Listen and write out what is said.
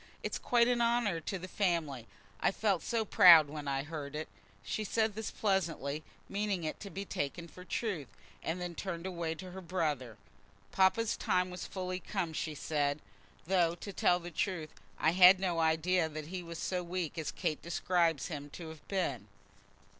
"It's quite an honour to the family. I felt so proud when I heard it!" She said this pleasantly, meaning it to be taken for truth, and then turned away to her brother. "Papa's time was fully come," she said, "though, to tell the truth, I had no idea that he was so weak as Kate describes him to have been."